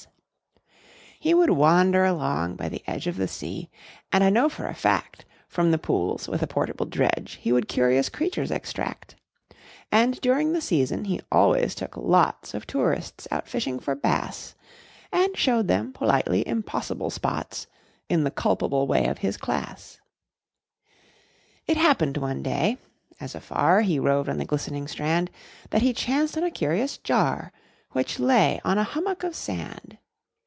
He would wander along by the edge Of the sea, and I know for a fact From the pools with a portable dredge He would curious creatures extract: And, during the season, he always took lots Of tourists out fishing for bass, And showed them politely impossible spots, In the culpable way of his class. It happened one day, as afar He roved on the glistening strand, That he chanced on a curious jar, Which lay on a hummock of sand.